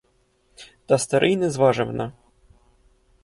Та старий не зважив на.